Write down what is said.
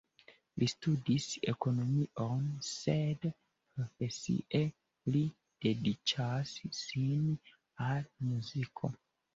Li studis ekonomion, sed profesie li dediĉas sin al muziko.